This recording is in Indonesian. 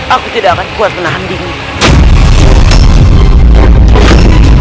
aku tidak akan kuat menahan diri